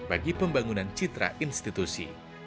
bagi pembangunan citra institusi